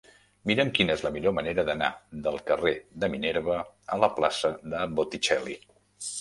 Mira'm quina és la millor manera d'anar del carrer de Minerva a la plaça de Botticelli.